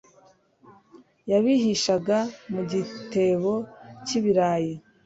yabihishaga mu gitebo cy ibirayi